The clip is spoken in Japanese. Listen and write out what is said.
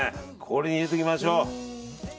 これに入れておきましょう。